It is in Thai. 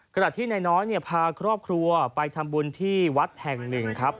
ขณะที่นายน้อยพาครอบครัวไปทำบุญที่วัดแห่งหนึ่งครับ